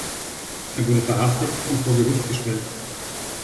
Er wurde verhaftet und vor Gericht gestellt.